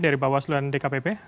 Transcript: dari bawaslu dan dkpp